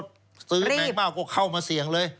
ซื้อแมงเม่าก็เข้ามาเสี่ยงเลย